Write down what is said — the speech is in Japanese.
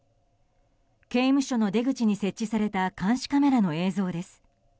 刑務所の出口に設置された監視カメラの映像です。